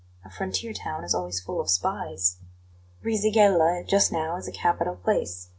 A frontier town is always full of spies." "Brisighella just now is a capital place.